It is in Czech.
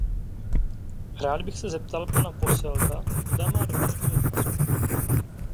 Rád bych se zeptal pana Posselta, zda má doplňující otázku.